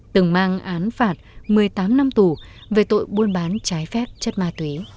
từng mang án phạt một mươi tám năm tù về tội buôn bán trái phép chất ma túy